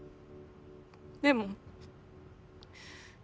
でも。